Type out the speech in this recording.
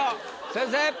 先生。